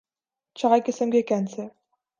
چار قسم کے کینسر